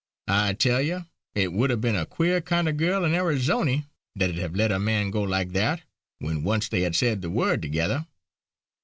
I tell you it would have been a queer kind of girl in Arizony that'd have let her man go like that, when once they had said the word together.